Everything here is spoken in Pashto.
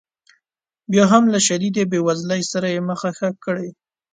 بیا هم له شدیدې بې وزلۍ سره یې مخه ښه کړې.